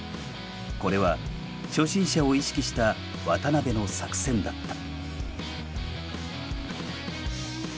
これは初心者を意識した渡辺の作戦だった。